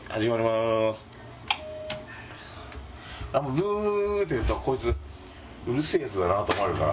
ブーっていうとこいつうるせえヤツだなと思われるから。